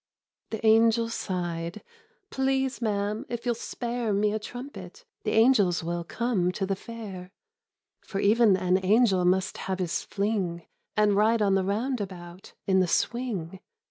The angel sighed. " Please, ma'am, if you'll spare Me a trumpet, the angels will come to the Fair, 107 The Higher Sensualism. For even an angel must have his fling, And ride on the roundabout, in the swing